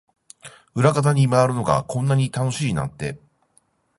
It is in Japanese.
裏方に回るのがこんなに楽しいなんて